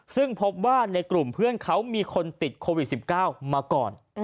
ซึ่งพบว่าในกลุ่มเพื่อนเขามีคนติดโควิด๑๙มาก่อน